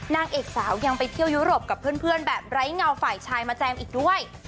นางเอกสาวยังไปเที่ยวยุโรปกับเพื่อนแบบไร้เงาฝ่ายชายมาแจมอีกด้วย